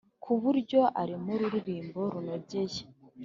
ku buryo arema ururirimbo runogeye